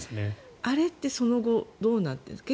あれってその後どうなったんですかね。